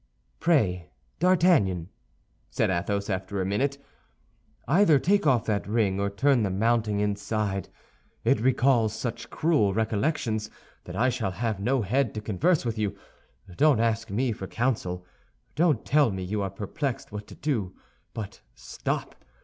"Pray, D'Artagnan," said Athos, after a minute, "either take off that ring or turn the mounting inside; it recalls such cruel recollections that I shall have no head to converse with you. Don't ask me for counsel; don't tell me you are perplexed what to do. But stop!